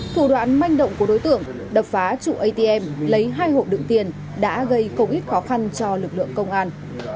thủ đoạn manh động của đối tượng đập phá trụ atm lấy hai hộ đựng tiền đã gây công ích khó khăn cho lực lượng công an